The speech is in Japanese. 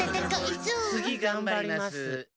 つぎがんばります。